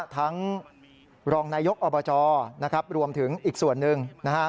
ทั้งรองนายกอบจนะครับรวมถึงอีกส่วนนึงนะฮะ